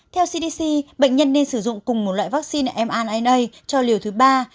theo cdc bệnh nhân nên sử dụng cùng một loại vaccine mna cho liều thứ ba